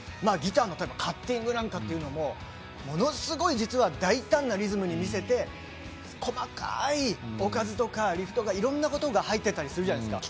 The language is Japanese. ギターのカッティングなんかっていうのもものすごく実は大胆なリズムに見せて、こまかいリフトとかいろんなことが入ってたりする。